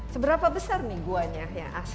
seberapa besar nih gua nya yang asli